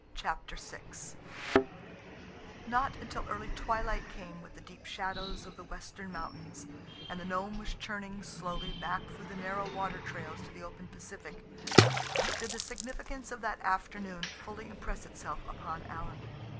CHAPTER VI Not until early twilight came with the deep shadows of the western mountains, and the Nome was churning slowly back through the narrow water trails to the open Pacific, did the significance of that afternoon fully impress itself upon Alan.